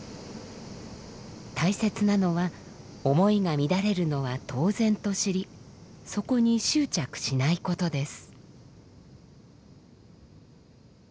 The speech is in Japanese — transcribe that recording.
大切なのは思いが乱れるのは当然と知りそこに執着しないことです。